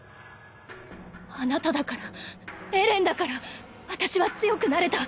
あなただからエレンだから私は強くなれた。